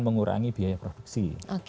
mengurangi biaya produksi